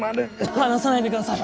話さないでください。